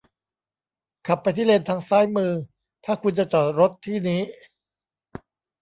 ขับไปที่เลนทางซ้ายมือถ้าคุณจะจอดรถที่นี้